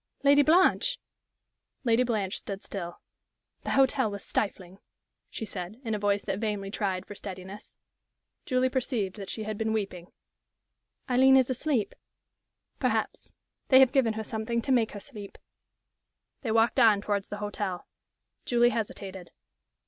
"Lady Blanche!" Lady Blanche stood still. "The hotel was stifling," she said, in a voice that vainly tried for steadiness. Julie perceived that she had been weeping. "Aileen is asleep?" "Perhaps. They have given her something to make her sleep." They walked on towards the hotel. Julie hesitated.